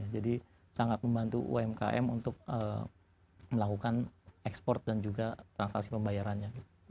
jadi sangat membantu umkm untuk melakukan ekspor dan juga transaksi pembayarannya